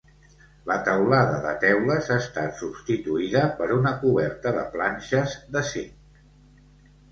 La teulada de teules ha estat substituïda per una coberta de planxes de zinc.